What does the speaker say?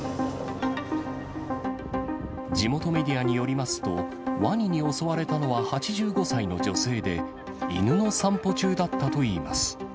地元メディアによりますと、ワニに襲われたのは８５歳の女性で、犬の散歩中だったといいます。